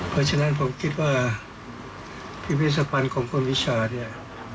เพราะฉะนั้นผมคิดว่าพิพิธภัณฑ์ของคนวิชาเนี่ย